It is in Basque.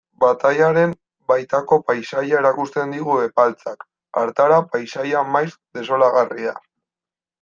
Batailaren baitako paisaia erakusten digu Epaltzak, hartara, paisaia maiz desolagarria.